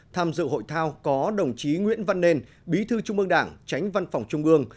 tham dự hội thao có đồng chí nguyễn văn nên bí thư trung ương đảng tránh văn phòng trung ương